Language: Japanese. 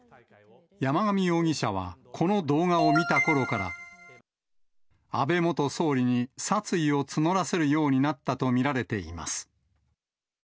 山上容疑者は、この動画を見たころから、安倍元総理に殺意を募らせるようになったと見られています。